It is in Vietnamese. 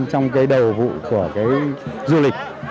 trong cái đầu vụ của cái du lịch